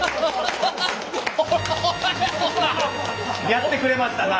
やってくれましたな！